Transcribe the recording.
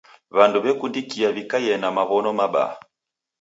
W'andu w'ekundikia w'ikaie na maw'ono mabaa.